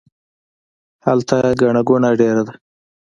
هلته ګڼه ګوڼه ډیره ده